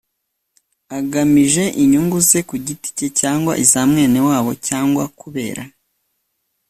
agamije inyungu ze ku giti ke cyangwa iza mwene wabo, cyangwa kubera